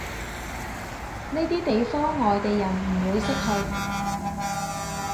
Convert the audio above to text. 呢啲地方外地人唔會識去